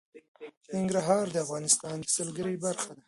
ننګرهار د افغانستان د سیلګرۍ برخه ده.